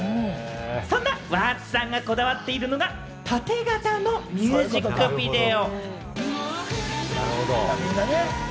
そんなＷｕｒｔＳさんがこだわっているのが縦型のミュージックビデオ。